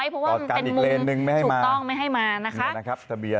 เพราะว่ามันเป็นมุมถูกต้องไม่ให้มานะคะ